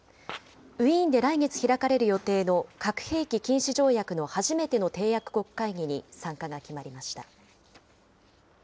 ウイーンで来月開かれる予定の核兵器禁止条約の初めての締約国会議に参加が決まりました。